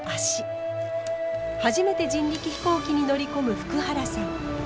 初めて人力飛行機に乗り込む福原さん。